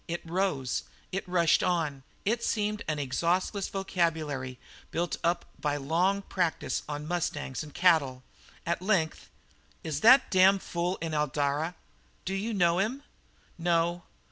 It rose, it rushed on, it seemed an exhaustless vocabulary built up by long practice on mustangs and cattle. At length: "Is that damned fool in Eldara?" "D'you know him?" "No.